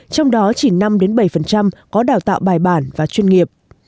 trong đó chỉ năm bảy có đào tạo bài bản và chuyên nghiệp